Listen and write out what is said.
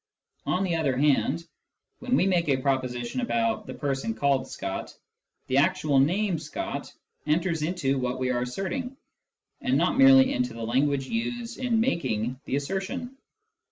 On the other hand, when we make a proposition about " the person called ' Scott,' " the actual name " Scott " enters into what we are asserting, and not merely into the language used in making the assertion.